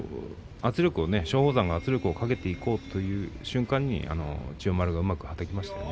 圧力を松鳳山がかけていこうという瞬間に千代丸がうまくはたきましたね。